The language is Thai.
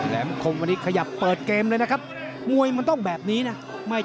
คมวันนี้ขยับเปิดเกมเลยนะครับมวยมันต้องแบบนี้นะ